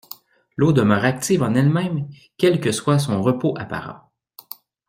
L'eau demeure active en elle-même, quel que soit son repos apparent.